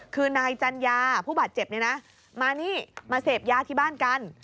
คือนายจัญญาผู้บาดเจ็บเนี่ยนะมานี่มาเสพยาที่บ้านกัน